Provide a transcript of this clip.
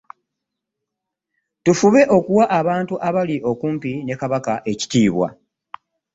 Tufube okuwa abantu abali okumpi ne Kabaka ekitiibwa.